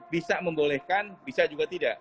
bisa membolehkan bisa juga tidak